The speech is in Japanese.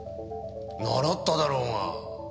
習っただろうが！